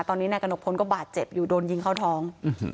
ตอนนี้แน่กนกพลก็บาดเจ็บอยู่โดนยิงข้าวทอง